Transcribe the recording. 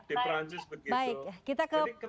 di perancis begitu baik kita ke